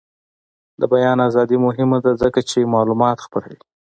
د بیان ازادي مهمه ده ځکه چې معلومات خپروي.